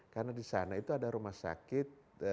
karena di sana itu ada rumah sakit